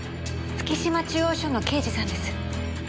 月島中央署の刑事さんです。